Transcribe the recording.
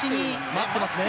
待ってますね。